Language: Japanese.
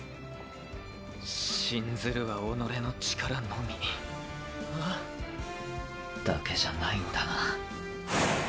信ずるは己の力のみ！あ？だけじゃないんだな。